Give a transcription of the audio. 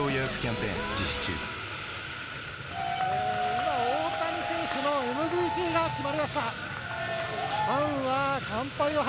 今、大谷選手のＭＶＰが決まりました。